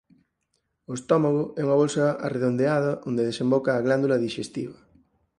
O estómago é unha bolsa arredondada onde desemboca a "glándula dixestiva".